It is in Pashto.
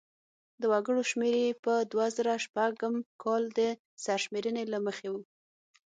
د وګړو شمېر یې په دوه زره شپږم کال د سرشمېرنې له مخې و.